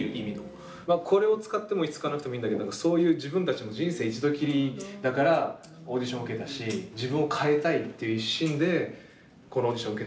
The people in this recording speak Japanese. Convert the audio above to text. まあこれを使ってもいいし使わなくてもいいんだけどそういう自分たちの人生一度きりだからオーディション受けたし自分を変えたいっていう一心でこのオーディション受けたじゃん。